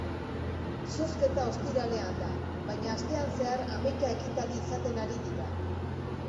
Zozketa ostiralean da, baina astean zehar hamaika ekitaldi izaten ari dira.